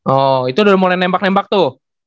oh itu udah mulai nembak nembak tuh